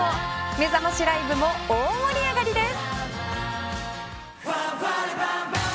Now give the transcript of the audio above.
めざましライブも大盛り上がりです。